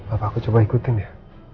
apa aku coba ikutin ya